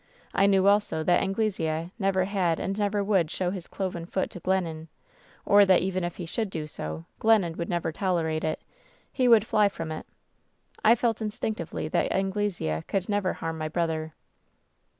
I knew also that Anglesea never had and never would show his cloven foot to Glennon, or that even if he should do so, Glennon would never tolerate it ; he would fly from it. I felt instinctively that Angle sea could never harm my brother.